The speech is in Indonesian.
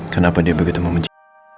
kenapa dia begitu membenci